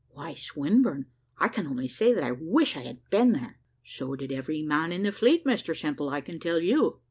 "Why, Swinburne, I can only say that I wish I had been there." "So did every man in the fleet, Mr Simple, I can tell you."